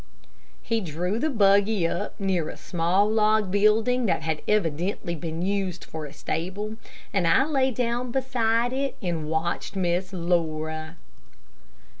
He drew the buggy up near a small log building that had evidently been used for a stable, and I lay down beside it and watched Miss Laura.